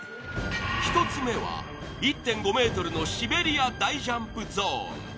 １つ目は１．５ｍのシベリア大ジャンプゾーン。